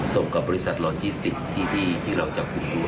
ส่งกับบริษัทลอลจิสติกที่เราจับคุม